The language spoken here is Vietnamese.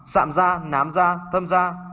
sạm da nám da thâm da